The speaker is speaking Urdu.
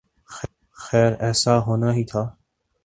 خیر ایسا ہونا ہی تھا۔